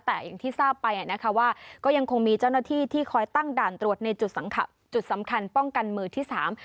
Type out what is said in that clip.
แต่อย่างที่ทราบไปอ่ะนะคะว่าก็ยังคงมีเจ้าหน้าที่ที่คอยตั้งด่านตรวจในจุดสังจุดสำคัญป้องกันมือที่สาม